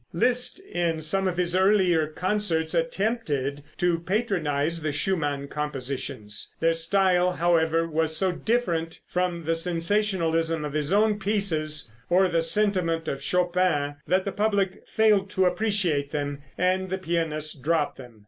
Liszt in some of his earlier concerts attempted to patronize the Schumann compositions. Their style, however, was so different from the sensationalism of his own pieces or the sentiment of Chopin, that the public failed to appreciate them, and the pianist dropped them.